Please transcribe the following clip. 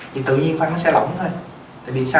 thì tự nhiên phân nó sẽ lỏng thôi